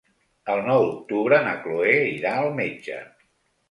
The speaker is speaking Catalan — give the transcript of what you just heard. El nou d'octubre na Cloè irà al metge.